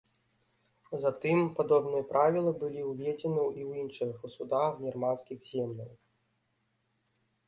Затым падобныя правілы былі ўведзены і ў іншых судах германскіх земляў.